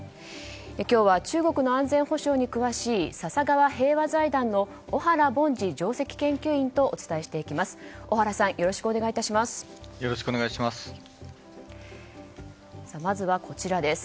今日は中国の安全保障に詳しい笹川平和財団の小原凡司上席研究員とお伝えしていきます。